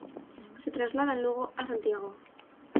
Se trasladan luego a Santiago.